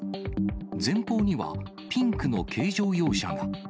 前方にはピンクの軽乗用車が。